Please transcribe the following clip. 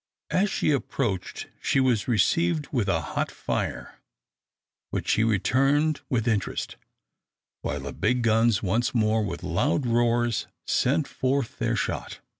As she approached she was received with a hot fire, which she returned with interest, while the big guns once more with loud roars sent forth their shot.